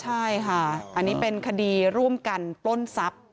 ใช่ค่ะอันนี้เป็นคดีร่วมกันปล้นทรัพย์